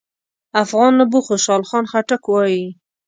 افغان نبوغ خوشحال خان خټک وايي: